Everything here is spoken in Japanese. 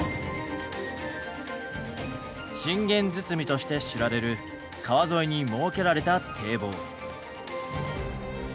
信玄堤として知られる川沿いに設けられた堤防。